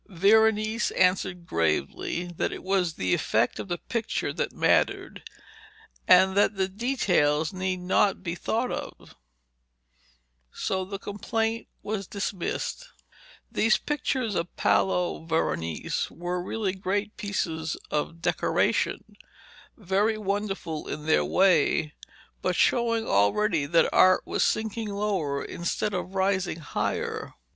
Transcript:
Veronese answered gravely that it was the effect of the picture that mattered, and that the details need not be thought of. So the complaint was dismissed. These pictures of Paolo Veronese were really great pieces of decoration, very wonderful in their way, but showing already that Art was sinking lower instead of rising higher.